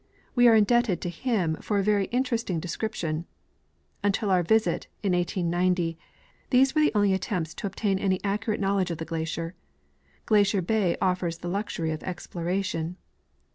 We are indebted to him for a very inter esting description. Until our visit, in 1890, these were the only attempts to obtain any accurate knowledge of the glacier. Glacier bay offers the luxury of exploration.